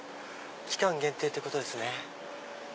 期間限定ってことですね。